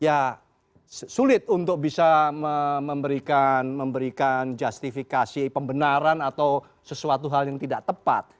ya sulit untuk bisa memberikan justifikasi pembenaran atau sesuatu hal yang tidak tepat